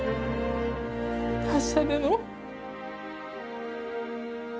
達者でのう。